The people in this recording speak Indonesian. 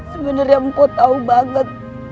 sebenarnya ambo tahu banget